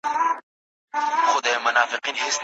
وطن له سره جوړوي بیرته جشنونه راځي